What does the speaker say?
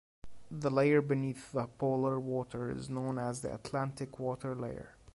The layer beneath the Polar Water is known as the Atlantic Water layer.